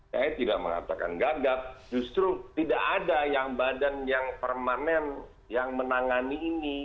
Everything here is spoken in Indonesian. saya tidak mengatakan gagap justru tidak ada yang badan yang permanen yang menangani ini